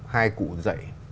hai cụ dạy